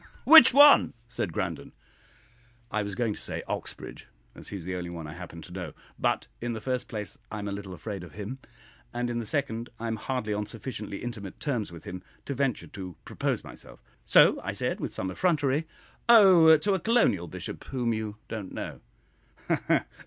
"Which one?" said Grandon. I was going to say "Oxbridge," as he is the only one I happen to know; but, in the first place, I am a little afraid of him; and, in the second, I am hardly on sufficiently intimate terms with him to venture to propose myself so I said, with some effrontery, "Oh, to a colonial bishop, whom you don't know."